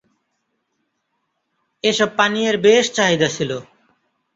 এসব পানীয়ের বেশ চাহিদা ছিল।